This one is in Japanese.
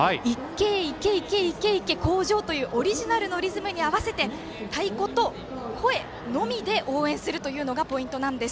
いけいけ、いけいけ鴻城というオリジナルのリズムに合わせて太鼓と声のみで応援するのがポイントなんです。